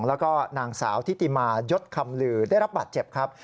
แล้วก็นางสาวทิติมายศคำลือได้รับบาดเจ็บครับ